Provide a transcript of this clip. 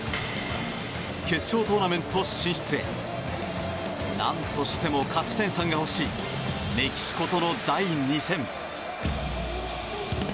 決勝トーナメント進出へ何としても勝ち点３が欲しいメキシコとの第２戦。